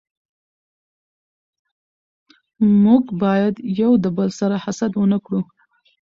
موږ بايد يو دبل سره حسد و نه کړو